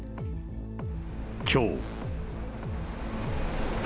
きょう。